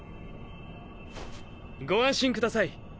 ご安心ください。